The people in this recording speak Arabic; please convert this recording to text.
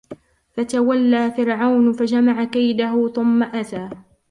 فَتَوَلَّى فِرْعَوْنُ فَجَمَعَ كَيْدَهُ ثُمَّ أَتَى